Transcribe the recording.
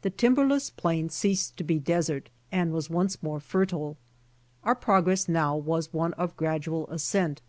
The timber less plain ceased to be desert and was once more fertile. Our progress now was one of gradual ascent.